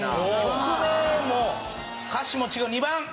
曲名も歌詞も違う２番！